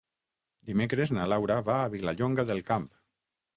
Dimecres na Laura va a Vilallonga del Camp.